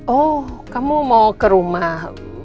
oh kamu mau ke rumah